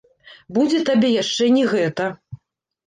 Будзе табе яшчэ не гэта.